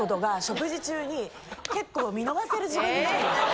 結構見逃せる自分になるんですよ。